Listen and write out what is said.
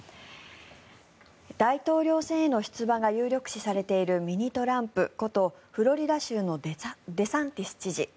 大統領選への出馬が有力視されているミニ・トランプことフロリダ州のデサンティス知事。